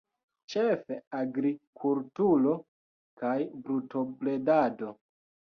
Ĉefe agrikulturo kaj brutobredado.